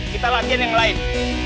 kita latihan yang lain